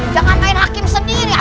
jangan main hakim sendiri